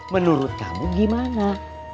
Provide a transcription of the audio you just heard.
menurut kamu gimana